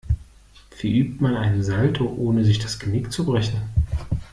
Wie übt man einen Salto, ohne sich das Genick zu brechen?